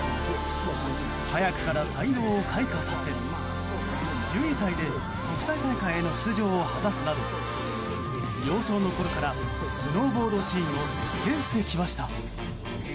早くから才能を開花させ１２歳で国際大会への出場を果たすなど幼少のころからスノーボードシーンを席巻してきました。